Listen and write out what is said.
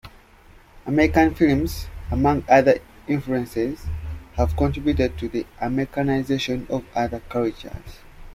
American films, among other influences, have contributed to the Americanization of other cultures.